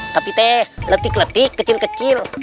tapi teh letik letik kecil kecil